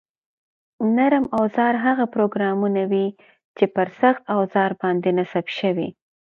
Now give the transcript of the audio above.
نرم اوزار هغه پروګرامونه دي چې پر سخت اوزار باندې نصب شوي